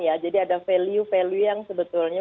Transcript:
ya jadi ada value value yang sebetulnya